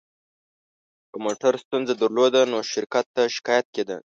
که موټر ستونزه درلوده، نو شرکت ته شکایت کېده.